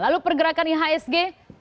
lalu pergerakan ihsg